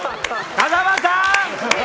風間さん！